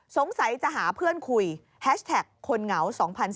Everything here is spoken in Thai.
สงสัยจะหาเพื่อนคุยแฮชแท็กคนเหงา๒๐๑๘